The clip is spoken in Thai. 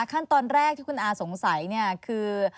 ขั้นตอนแรกที่คุณอาสงสัยเนี่ยคือ